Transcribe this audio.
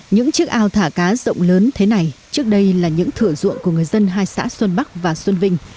những chiếc ao thả cá rộng lớn thế này trước đây là những thửa ruộng của người dân hai xã xuân bắc và xuân vinh